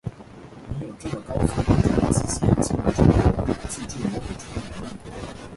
你有这么高速运转的机械进入中国，记住我给出的原理。